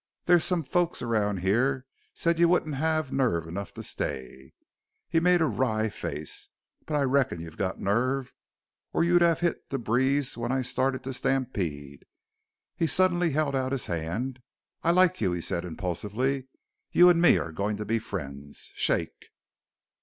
"There's some folks around here said you wouldn't have nerve enough to stay." He made a wry face. "But I reckon you've got nerve or you'd have hit the breeze when I started to stampede." He suddenly held out a hand. "I like you," he said impulsively. "You and me are going to be friends. Shake!"